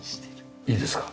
いいですか？